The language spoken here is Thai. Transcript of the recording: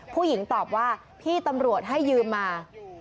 ผู้หญิงตอบว่าพี่ตำรวจให้ยืมมา